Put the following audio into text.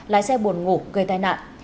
lái xe buồn ngủ gây tai nạn